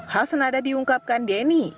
hal senada diungkapkan denny